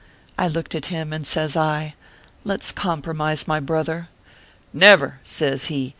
I looked at him, and says I :" Let s compromise, my brother." " Never !" says he.